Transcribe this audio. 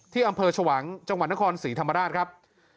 อำเภอชวังจังหวัดนครศรีธรรมราชครับ